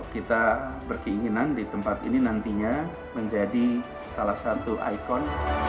kita berkeinginan di tempat ini nantinya menjadi salah satu ikon